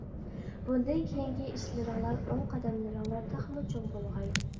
بۇندىن كېيىنكى ئىشلىرىڭلار ئوڭ، قەدەملىرىڭلار تېخىمۇ چوڭ بولغاي!